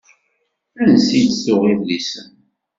Ansi d-tuɣ idlisen?